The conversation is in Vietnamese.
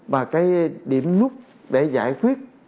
và cái điểm nút để giải quyết